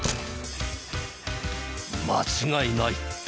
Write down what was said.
間違いない！